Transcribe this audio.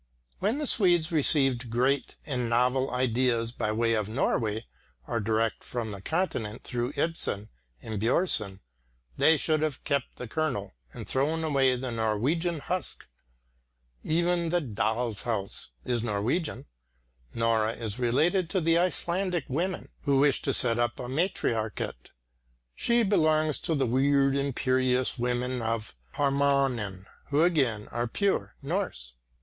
When the Swedes received great and novel ideas by way of Norway or direct from the Continent through Ibsen and Björnson, they should have kept the kernel and thrown away the Norwegian husk. Even the Doll's House is Norwegian. Nora is related to the Icelandic women who wished to set up a matriarchate; she belongs to the weird imperious women in Härmännen who again are pure Norse.